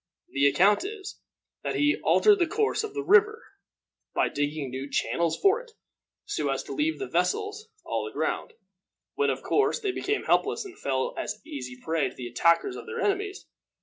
The account is, that he altered the course of the river by digging new channels for it, so as to leave the vessels all aground, when, of course, they became helpless, and fell an easy prey to the attacks of their enemies.